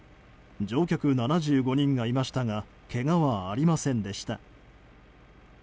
乗客７５人がいましたがけがはありませんでした。